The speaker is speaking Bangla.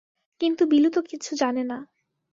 কিন্তু বিলু তো কিছু জানে ন!